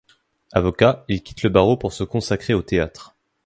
Avocat, il quitte le barreau pour se consacrer au théâtre.